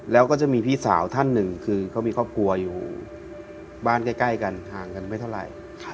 แล้วก็จะมีพี่สาวท่านหนึ่งคือเขามีครอบครัวอยู่บ้านใกล้กันห่างกันไม่เท่าไหร่